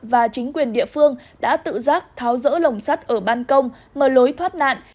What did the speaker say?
và chính quyền địa phương đã tự giác tháo rỡ lồng sắt ở ban công mở lối thoát nạn